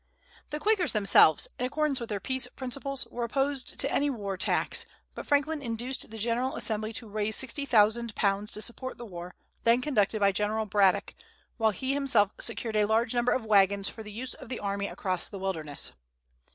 The Quakers themselves, in accordance with their peace principles, were opposed to any war tax, but Franklin induced the Assembly to raise sixty thousand pounds to support the war, then conducted by General Braddock, while he himself secured a large number of wagons for the use of the army across the wilderness.